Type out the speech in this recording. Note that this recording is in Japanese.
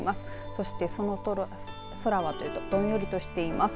そして空はというとどんよりとしています。